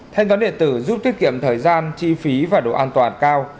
thanh toán điện tử giúp tiết kiệm thời gian chi phí và độ an toàn cao